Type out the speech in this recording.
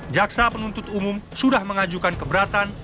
jaksa penuntut umum sudah mengajukan keberatan